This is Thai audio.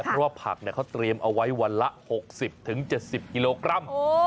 ก็ไปร้านนี้ได้เพราะว่าผักเขาเตรียมเอาไว้วันละ๖๐๗๐กิโลกรัม